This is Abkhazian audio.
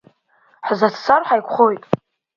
Ҳзацәцар ҳаиқәхоит.